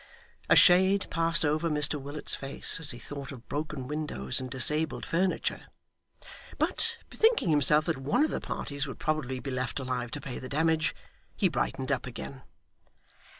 A shade passed over Mr Willet's face as he thought of broken windows and disabled furniture, but bethinking himself that one of the parties would probably be left alive to pay the damage, he brightened up again.